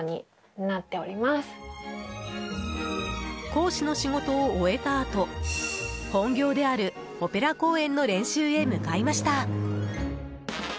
講師の仕事を終えたあと本業であるオペラ公演の練習へ向かいました。